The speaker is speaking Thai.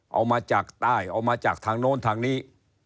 เอามาจากใต้เอามาจากทางโน้นทางนี้